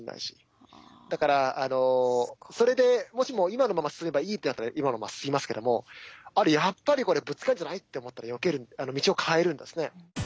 だからそれでもしも今のまま進めばいいってなったら今のまま進みますけどもやっぱりこれぶつかるんじゃないって思ったらよける道を変えるんですね。